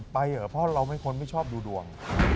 เหรอเพราะเราเป็นคนไม่ชอบดูดวง